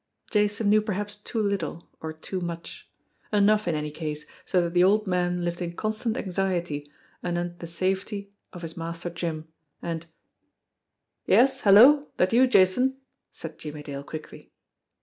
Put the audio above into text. Jason knew perhaps too little or too much ; enough, in any case, so that the old man lived in con stant anxiety anent the safety of his Master Jim, and <<i 'Yes! Hello! That you, Jason?" said Jimmie Dale quickly.